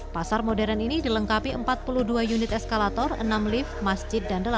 pasar modern ini dilengkapi empat puluh dua unit eskalator enam lift masjid dan delapan